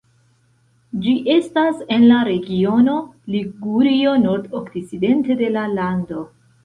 Ĝi estas en la regiono Ligurio nordokcidente de la lando.